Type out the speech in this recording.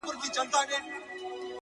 • چي په ښكلي وه باغونه د انګورو,